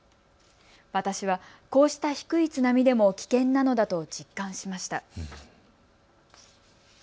私は、こうした低い津波でも危険なのだと実感しました。